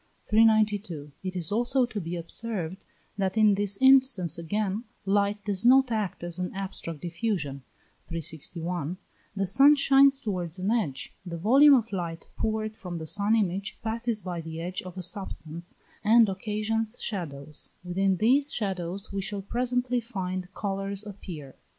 392. It is also to be observed that in this instance again light does not act as an abstract diffusion (361), the sun shines towards an edge. The volume of light poured from the sun image passes by the edge of a substance, and occasions shadows. Within these shadows we shall presently find colours appear.